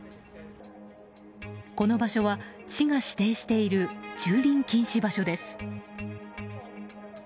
この場所は市が指定している駐輪禁止場所です。